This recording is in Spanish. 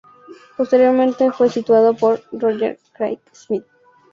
Posteriormente fue sustituido por Roger Craig Smith.